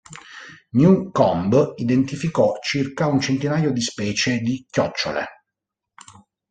Newcomb identificò circa un centinaio di specie di chiocciole.